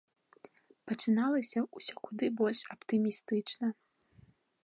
Пачыналася ўсё куды больш аптымістычна.